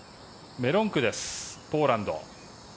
メロンクですポーランド。